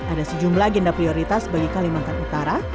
ada sejumlah agenda prioritas bagi kalimantan utara